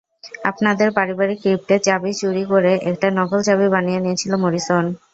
আপনাদের পারিবারিক ক্রিপ্টের চাবি চুরি করে একটা নকল চাবি বানিয়ে নিয়েছিল মরিসন।